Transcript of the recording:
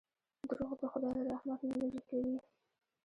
• دروغ د خدای له رحمت نه لرې کوي.